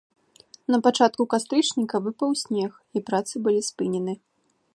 Напачатку кастрычніка выпаў снег і працы былі спынены.